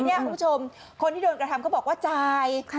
คุณผู้ชมคนที่โดนกระทำเขาบอกว่าจ่าย